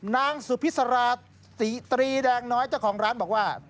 นางสุพิษราตรีแดงน้อยเจ้าของร้านบอกว่า